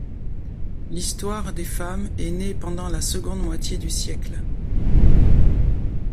L'histoire des femmes est née pendant la seconde moitié du siècle.